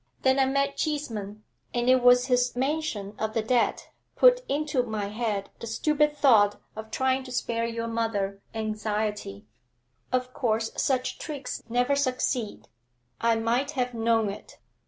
Then I met Cheeseman, and it was his mention of the debt put into my head the stupid thought of trying to spare your mother anxiety. Of course, such tricks never succeed; I might have known it.